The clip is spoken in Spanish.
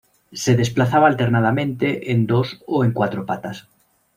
Se desplazaba alternadamente en dos o en cuatro patas.